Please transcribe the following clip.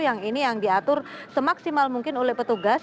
yang ini yang diatur semaksimal mungkin oleh petugas